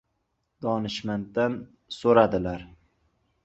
Donishmanddan so‘radilar: